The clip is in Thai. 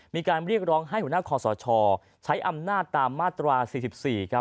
มีการเรียกร้องให้หัวหน้าคอสชใช้อำนาจตามมาตรา๔๔ครับ